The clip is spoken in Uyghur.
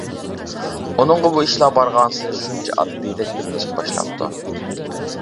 ئۇنىڭغا بۇ ئىشلار بارغانسېرى شۇنچە ئاددىيدەك بىلىنىشكە باشلاپتۇ.